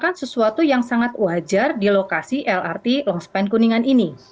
dan itu adalah sesuatu yang sangat wajar di lokasi lrt longspan kuningan ini